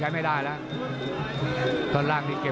เช่นท่านลายนี่เช่นแบบนี้นะ